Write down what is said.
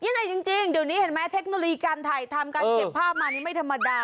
ไหนจริงเดี๋ยวนี้เห็นไหมเทคโนโลยีการถ่ายทำการเก็บภาพมานี่ไม่ธรรมดา